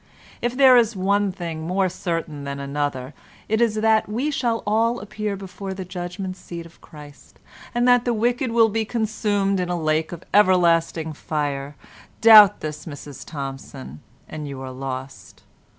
If there is one thing more certain than another it is that we shall all appear before the Judgement Seat of Christ, and that the wicked will be consumed in a lake of everlasting fire. Doubt this, Mrs Thompson, and you are lost."